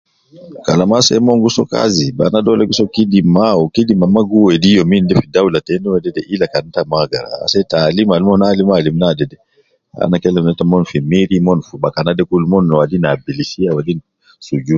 Kalam ase mon gu soo kazi, banaa dole gi soo kidima wu kidima mma gi wedi youminde fi daula tena wedede illa kan tom agara, asede taalim al mon alim alim naadede ,ana kelem neta mon fi miri, mon fi bakana de kul, mon wadin nas pilisia wadin sujun.